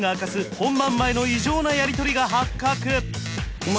本番前の異常なやりとりが発覚お前